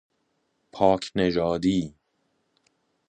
پاک نژادی